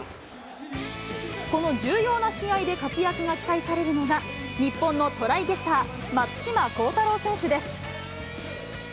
この重要な試合で活躍が期待されるのが、日本のトライゲッター、松島幸太朗選手です。